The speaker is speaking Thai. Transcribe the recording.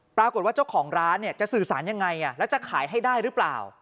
ปรากฏว่าเจ้าของร้านจะสื่อสารยังไงแล้วจะขายให้ได้หรือเปล่า